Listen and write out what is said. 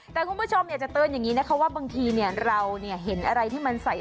แต่คุณผู้ชมอยากจะเตือนอย่างนี้นะคะว่าบางทีเนี่ยเราเห็นอะไรที่มันใส